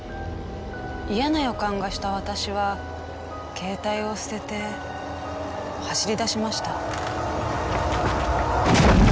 嫌な予感がした私は携帯を捨てて走りだしました。